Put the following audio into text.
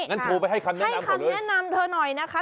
งั้นโทรไปให้คำแนะนำเค้าด้วยให้คำแนะนำเธอหน่อยนะคะ